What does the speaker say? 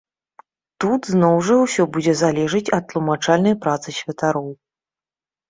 Тут, зноў жа, усё будзе залежыць ад тлумачальнай працы святароў.